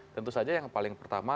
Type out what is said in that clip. tentu saja yang paling pertama